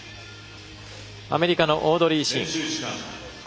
アメリカのオードリー・シン。